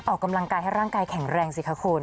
ออกกำลังกายให้ร่างกายแข็งแรงสิคะคุณ